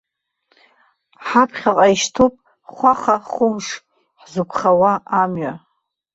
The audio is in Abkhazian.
Ҳаԥхьаҟа ишьҭоуп хәаха-хәымш ҳзықәхауа амҩа.